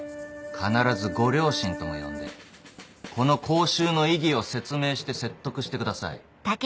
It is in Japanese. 必ずご両親とも呼んでこの講習の意義を説明して説得してください。